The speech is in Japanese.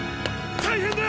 大変だ！